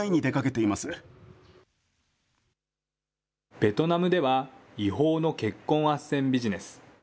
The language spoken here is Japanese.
ベトナムでは違法の結婚あっせんビジネス。